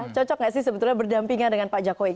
cocok gak sih sebetulnya berdampingan dengan pak jokowi